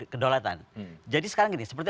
kedaulatan jadi sekarang seperti